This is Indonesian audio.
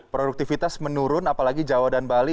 produktivitas menurun apalagi jawa dan bali